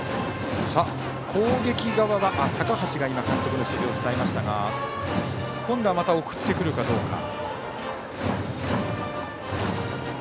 攻撃側は高橋が今監督の指示を伝えましたが今度はまた送ってくるかどうか。